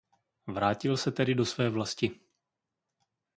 Vrátil se tedy do své vlasti.